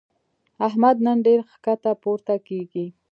احمد نن ډېر ښکته پورته کېږي.